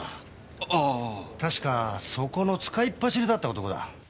確かそこの使いっ走りだった男だ。